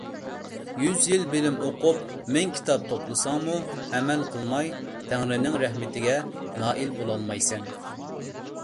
يۈز يىل بىلىم ئوقۇپ مىڭ كىتاب توپلىساڭمۇ ئەمەل قىلماي تەڭرىنىڭ رەھمىتىگە نائىل بولالمايسەن.